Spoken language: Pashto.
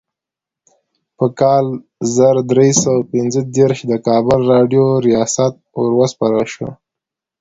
په کال زر درې سوه پنځه دیرش د کابل راډیو ریاست وروسپارل شو.